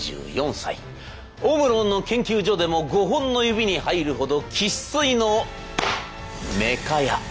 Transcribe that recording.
オムロンの研究所でも五本の指に入るほど生粋の「メカ屋」。